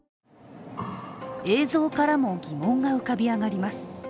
映像からも疑問が浮かび上がります。